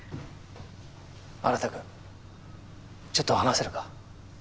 新くんちょっと話せるか？